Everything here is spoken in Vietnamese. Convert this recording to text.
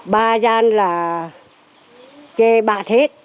ba gian là chê bạc hết